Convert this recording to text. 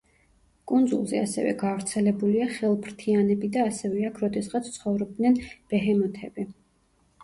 კუნძულზე ასევე გავრცელებულია ხელფრთიანები და ასევე აქ როდესღაც ცხოვრობდნენ ბეჰემოთები.